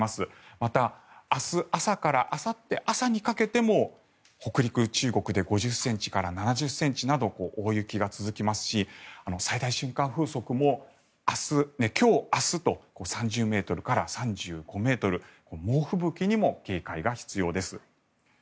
また、明日朝からあさって朝にかけても北陸、中国で５０ｃｍから７０ｃｍなど大雪が続きますし最大瞬間風速も今日明日と３０ｍから３５ｍ猛吹雪にも警戒が必要です。